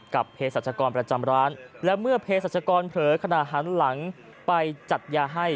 เพศรัชกรประจำร้านและเมื่อเพศรัชกรเผลอขณะหันหลังไปจัดยาให้